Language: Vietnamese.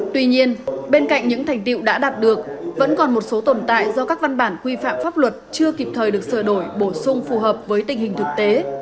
tuy nhiên bên cạnh những thành tiệu đã đạt được vẫn còn một số tồn tại do các văn bản quy phạm pháp luật chưa kịp thời được sửa đổi bổ sung phù hợp với tình hình thực tế